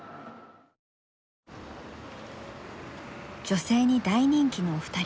女性に大人気のお二人。